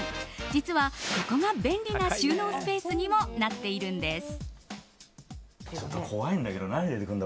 実はここが便利な収納スペースにもなっているんです。